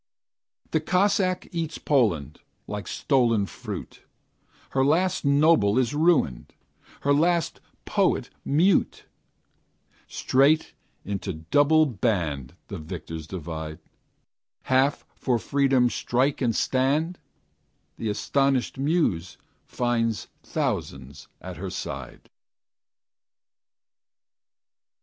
The Cossack eats Poland, Like stolen fruit; Her last noble is ruined, Her last poet mute: Straight, into double band The victors divide; Half for freedom strike and stand; The astonished Muse finds thousands at her side.